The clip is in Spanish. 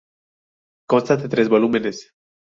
Consta de tres volúmenes.